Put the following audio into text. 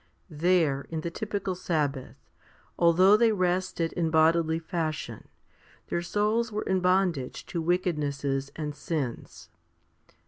There, in the typical sabbath, although they rested in bodily fashion, their souls were in bondage to wickednesses and sins.